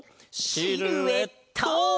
シルエット！